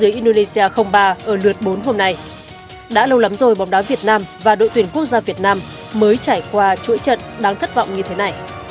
dưới indonesia ba ở lượt bốn hôm nay đã lâu lắm rồi bóng đá việt nam và đội tuyển quốc gia việt nam mới trải qua chuỗi trận đáng thất vọng như thế này